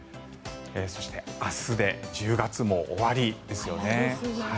そして明日で１０月も終わりですよね。